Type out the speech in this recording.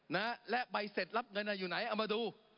นะฮะและใบเสร็จรับเงินอยู่ไหนเอามาดู